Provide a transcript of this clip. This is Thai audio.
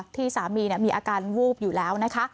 ที่สามีมีอาการวูบอยู่แล้วนะคะ